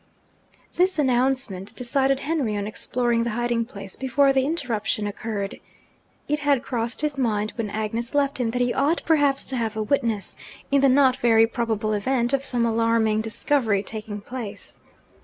This announcement decided Henry on exploring the hiding place, before the interruption occurred. It had crossed his mind, when Agnes left him, that he ought perhaps to have a witness, in the not very probable event of some alarming discovery taking place.